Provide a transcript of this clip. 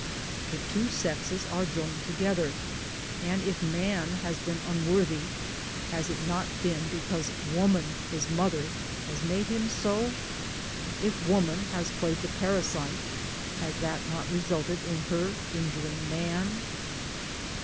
The two sexes are joined together, and if Man has been unworthy has it not been because Woman his mother has made him so? If Woman has played the parasite has that not resulted in her in juring Man?